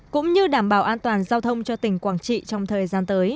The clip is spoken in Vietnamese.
cũng như đảm bảo an toàn giao thông cho tỉnh quảng trị trong thời gian tới